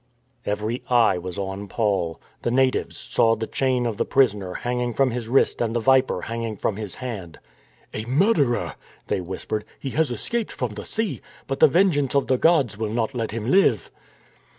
Every eye was on Paul. The natives saw the chain of the prisoner hanging from his wrist and the viper hanging from his hand. " A murderer !" they whispered. " He has escaped from the sea; but the vengeance of the gods will not let him live."